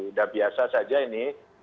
sudah biasa saja ini